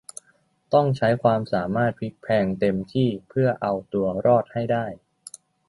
ต้องใช้ความสามารถพลิกแพลงเต็มที่เพื่อเอาตัวรอดให้ได้